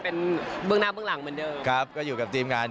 เป็นเบื้องหน้าเบื้องหลังเหมือนเดิมครับก็อยู่กับทีมงาน